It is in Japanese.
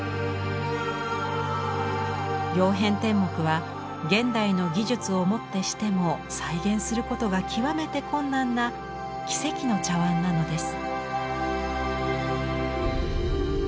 「曜変天目」は現代の技術をもってしても再現することが極めて困難な奇跡の茶碗なのです。